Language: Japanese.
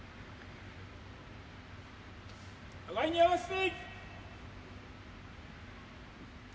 互いに合わせて。